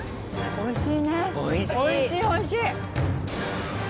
おいしい？